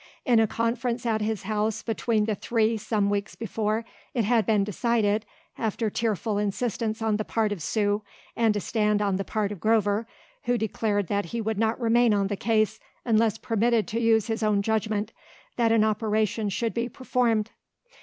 In a conference at his house between the three some weeks before, it had been decided, after tearful insistence on the part of Sue and a stand on the part of Grover, who declared that he would not remain on the case unless permitted to use his own judgment, that an operation should be performed.